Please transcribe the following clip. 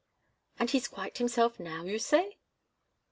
"And he's quite himself now, you say?"